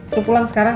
suruh pulang sekarang